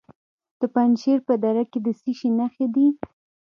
د پنجشیر په دره کې د څه شي نښې دي؟